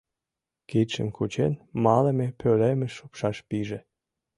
Кидшым кучен, малыме пӧлемыш шупшаш пиже.